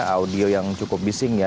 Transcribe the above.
audio yang cukup bising ya